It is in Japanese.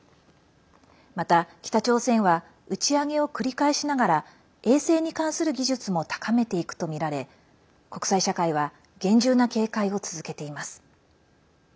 また、北朝鮮は打ち上げを繰り返しながら衛星に関する技術も高めていくとみられ国際社会は厳重な警戒を続けています。